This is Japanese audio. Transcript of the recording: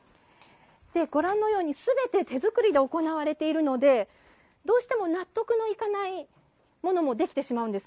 ご覧のように全て手作りで行われているのでどうしても納得のいかないものも出来てしまうんですね。